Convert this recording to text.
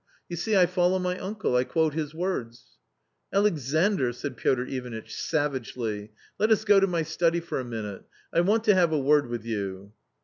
You see I follow my uncle, I quote his words." " Alexandr !" said Piotr Ivanitch, savagely, " let us go to my study for a minute ; I want to have a word with you."